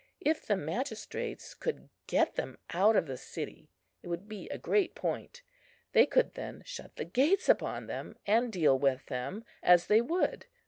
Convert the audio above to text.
If the magistrates could get them out of the city, it would be a great point; they could then shut the gates upon them, and deal with them as they would.